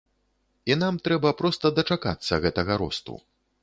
І нам трэба проста дачакацца гэтага росту.